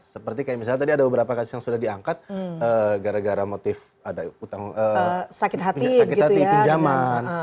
seperti kayak misalnya tadi ada beberapa kasus yang sudah diangkat gara gara motif ada utang sakit hati pinjaman